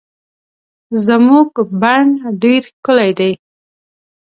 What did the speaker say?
زمونږ بڼ ډير ښکلي دي